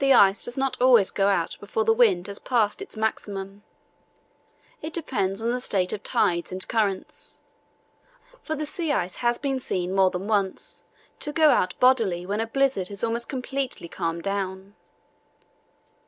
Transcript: The ice does not always go out before the wind has passed its maximum. It depends on the state of tides and currents; for the sea ice has been seen more than once to go out bodily when a blizzard had almost completely calmed down.